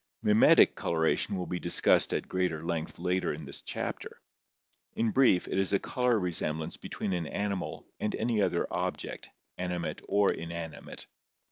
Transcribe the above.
Mimetic coloration will be discussed at greater length later in this chapter (pages 241 245). In brief, it is a color resemblance be tween an animal and any other object, animate or inanimate.